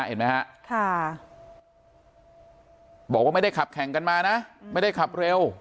เห็นไหมฮะบอกว่าไม่ได้ขับแข่งกันมานะไม่ได้ขับเร็ว